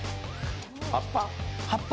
葉っぱ？